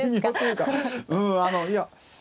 うんあのいや。